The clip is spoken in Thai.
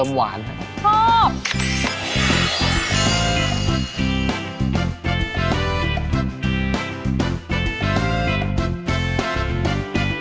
ซอสคาราเมล